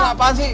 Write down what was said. ini apaan sih